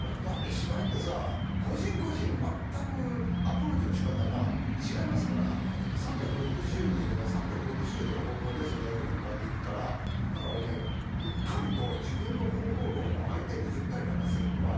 芝居ってさ個人個人全くアプローチの仕方が違いますから３６０人いれば３６０度の方向でその役に向かっていくからだからねうっかりと言えません